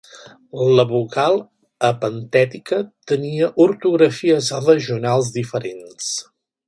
La vocal epentètica tenia ortografies regionals diferents.